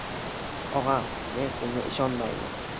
– Og‘am, men senga inonmayman